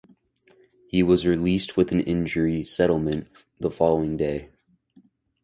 He was released with an injury settlement the following day.